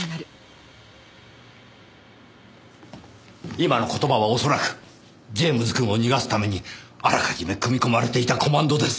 今の言葉は恐らくジェームズくんを逃がすためにあらかじめ組み込まれていたコマンドです。